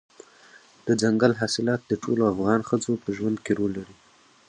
دځنګل حاصلات د ټولو افغان ښځو په ژوند کې رول لري.